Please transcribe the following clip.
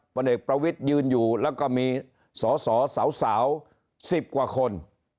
ผลเอกประวิทยืนอยู่แล้วก็มีสอสอสาว๑๐กว่าคน